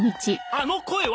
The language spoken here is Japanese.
あの声は！